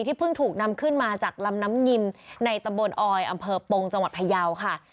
เพิ่งถูกนำขึ้นมาจากลำน้ำยิมในตำบลออยอำเภอปงจังหวัดพยาวค่ะ